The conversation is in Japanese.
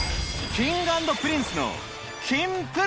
Ｋｉｎｇ＆Ｐｒｉｎｃｅの『キンプる。』！